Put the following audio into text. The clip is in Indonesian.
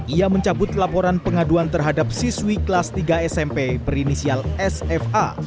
ia mencabut laporan pengaduan terhadap siswi kelas tiga smp berinisial sfa